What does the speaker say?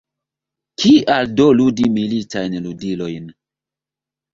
Kial do ludi militajn ludilojn?